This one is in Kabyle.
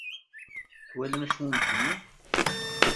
Twalam acmumeḥ-nni?